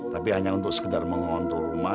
tapi hanya untuk sekedar mengontrol rumah